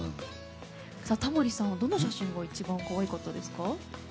タモリさん、どの写真が一番可愛かったですか？